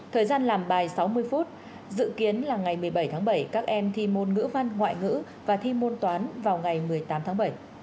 thời gian làm bài sáu mươi phút dự kiến là ngày một mươi bảy tháng bảy các em thi môn ngữ văn ngoại ngữ và thi môn toán vào ngày một mươi tám tháng bảy